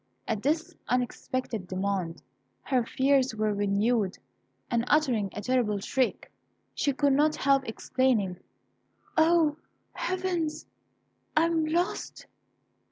At this unexpected demand, her fears were renewed, and uttering a terrible shriek, she could not help exclaiming, "O! Heavens, I am lost!"